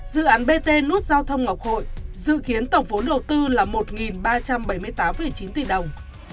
dự án bt nút giao thông ngọc hội dự kiến tổng vốn đầu tư là một ba trăm bảy mươi tám chín tỷ đồng